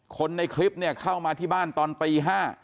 คนในคลิปเนี่ยเข้ามาที่บ้านตอนตี๕